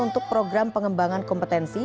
untuk program pengembangan kompetensi